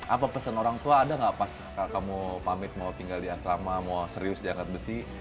apa pesan orang tua ada nggak pas kamu pamit mau tinggal di asrama mau serius di angkat besi